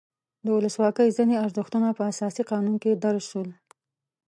د ولسواکۍ ځینې ارزښتونه په اساسي قانون کې درج شول.